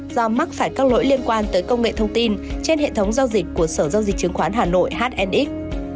do mắc phải các lỗi liên quan tới công nghệ thông tin trên hệ thống giao dịch của sở giao dịch chứng khoán hà nội hnx